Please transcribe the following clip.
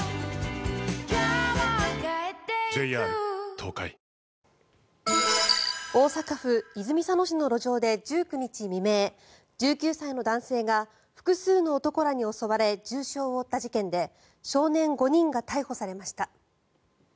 東京海上日動大阪府泉佐野市の路上で１９日未明１９歳の男性が複数の男らに襲われ重傷を負った事件で少年５人が逮捕されました。